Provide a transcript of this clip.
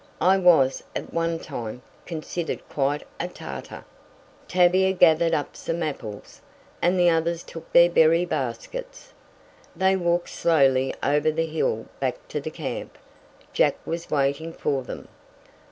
"I was, at one time, considered quite a 'tarter.'" Tavia gathered up some apples, and the others took their berry baskets. They walked slowly over the hill back to the camp. Jack was waiting for them.